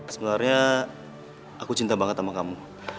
sebenarnya aku cinta banget sama kamu